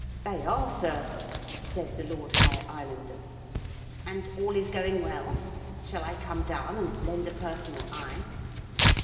'They are, sir,' said the Lord High Islander. 'And is all going well? Shall I come down and lend a personal eye?'